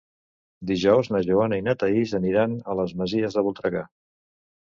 Dijous na Joana i na Thaís aniran a les Masies de Voltregà.